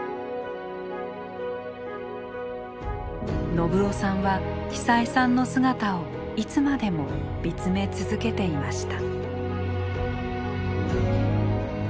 信男さんは久枝さんの姿をいつまでも見つめ続けていました。